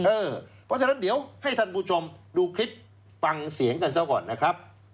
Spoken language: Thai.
เพราะฉะนั้นเดี๋ยวให้ท่านผู้ชมดูคลิปฟังเสียงกันซะก่อนนะครับ